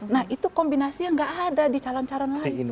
nah itu kombinasi yang nggak ada di calon calon lain